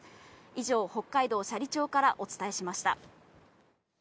以上、北海道斜里町からお伝えしました。